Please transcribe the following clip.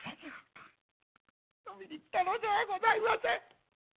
「飲みに来たのではございません。